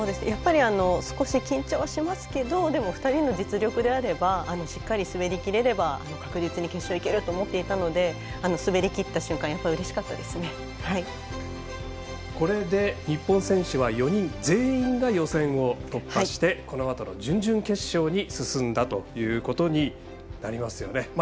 やっぱり少し緊張しますけど２人の実力であればしっかり滑りきれれば確実に決勝いけると思ってたので滑りきった瞬間はこれで、日本選手は４人全員が予選を突破してこのあとの準々決勝に進んだということになりますよね。